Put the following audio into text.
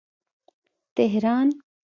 تهران